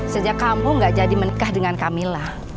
sejak kamu gak jadi menikah dengan camilla